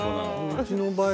うちの場合